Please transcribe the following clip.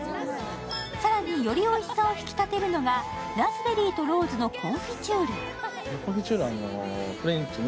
更によりおいしさを引き立てるのがラズベリーとローズのコンフィチュール。